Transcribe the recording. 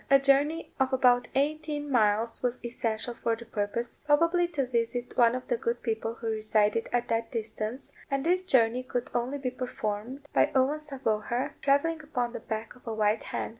A journey of about eighteen miles was essential for the purpose, probably to visit one of the good people who resided at that distance; and this journey could only be performed by Owen sa vauher travelling upon the back of a white hen.